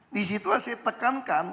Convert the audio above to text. di situ saya tekankan